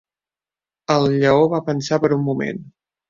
El lleó va pensar per un moment.